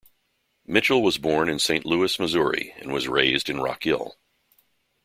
Mitchell was born in Saint Louis, Missouri and was raised in Rock Hill.